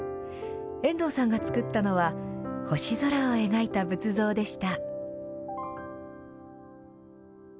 遠藤さんがつくったのは、星空を描いた仏像でした。